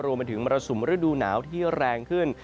รวมไปถึงมรสุมฤดูหนาวที่แรงขึ้น